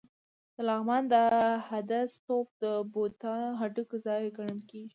د لغمان د هده ستوپ د بودا د هډوکو ځای ګڼل کېږي